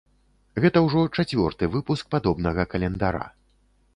Гэта ўжо чацвёрты выпуск падобнага календара.